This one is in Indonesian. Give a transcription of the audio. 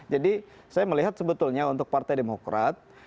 jadi saya melihat sebetulnya untuk partai demokrat